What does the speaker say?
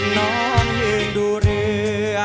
นอนยืนดูเรือ